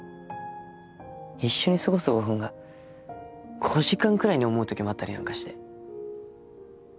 一緒に過ごす５分が５時間くらいに思う時もあったりなんかして。